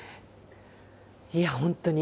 いや本当に。